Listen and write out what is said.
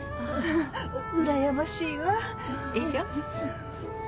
ううらやましいわ。でしょ。